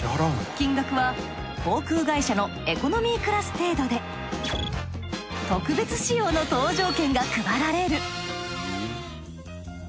金額は航空会社のエコノミークラス程度で特別仕様の搭乗券が配られる。